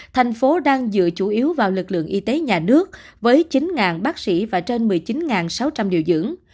thành phố đang dựa chủ yếu vào lực lượng y tế nhà nước với chín bác sĩ và trên một mươi chín sáu trăm linh điều dưỡng